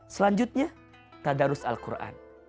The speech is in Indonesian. selanjutnya tadarus al quran